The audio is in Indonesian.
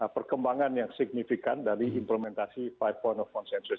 perkembangan yang signifikan dari implementasi lima konsensus